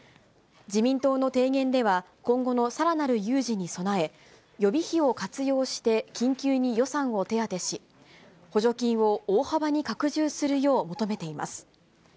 自民党の提言では、今後のさらなる有事に備え、予備費を活用して緊急に予算を手当てし、補助金を大幅に拡充するよう求めています。